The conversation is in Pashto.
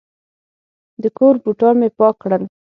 د کور بوټان مې پاک کړل.